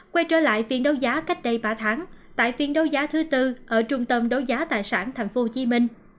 quay trở lại phiên đấu giá cách đây ba tháng tại phiên đấu giá thứ tư ở trung tâm đấu giá tài sản thành phố hồ chí minh